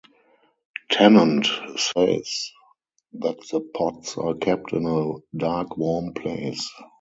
Tennant says that the pots are kept in a dark warm place.